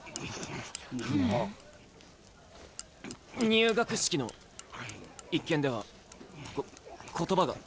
入学式の一件ではこ言葉が。